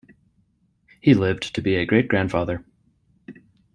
He lived to be a great-grandfather.